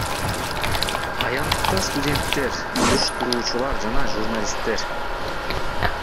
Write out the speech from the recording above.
Аянтта студенттер, уюштуруучулар жана журналисттер.